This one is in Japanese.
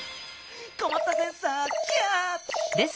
こまったセンサーキャッチ！